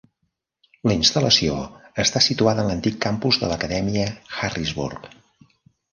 La instal.lació està situada en l'antic campus de l'Acadèmia Harrisburg.